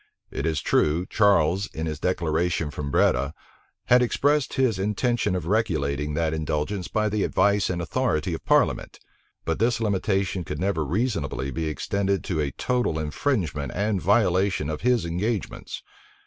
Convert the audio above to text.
It is true, Charles, in his declaration from Breda, had expressed his intention of regulating that indulgence by the advice and authority of parliament; but this limitation could never reasonably be extended to a total infringement and violation of his engagements.